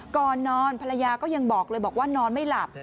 ก่อนนอนภรรยาก็ยังบอกเลยบอกว่านอนไม่หลับ